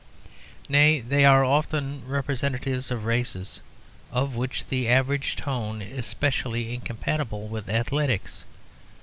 Nay, they are often representatives of races of which the average tone is specially incompatible with athletics.